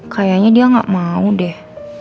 kayaknya dia gak mau deh